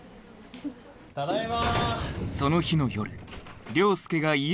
ただいま！